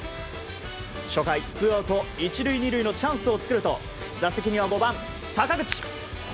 初回ツーアウト１塁２塁のチャンスを作ると打席には５番、坂口。